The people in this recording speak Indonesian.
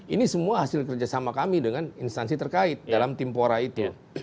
ini semua hasil kerjasama kami dengan instansi terkait dalam timpora itu